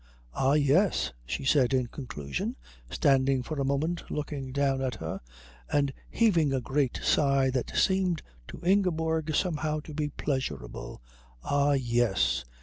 "Ah, yes," she said in conclusion, standing for a moment looking down at her and heaving a great sigh that seemed to Ingeborg somehow to be pleasurable, "ah, yes.